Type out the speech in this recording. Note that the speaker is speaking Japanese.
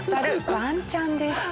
ワンちゃんでした。